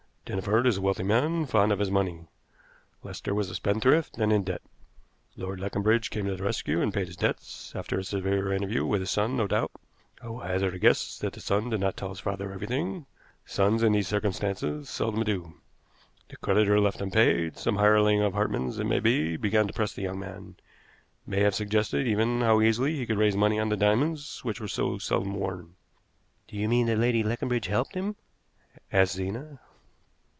Dinneford is a wealthy man, fond of his money; Lester was a spendthrift, and in debt. Lord Leconbridge came to the rescue and paid his debts, after a severe interview with his son, no doubt. I will hazard a guess that the son did not tell his father everything sons, in these circumstances, seldom do. The creditor left unpaid, some hireling of Hartmann's it may be, began to press the young man may have suggested, even, how easily he could raise money on the diamonds, which were so seldom worn." "Do you mean that Lady Leconbridge helped him?" asked Zena.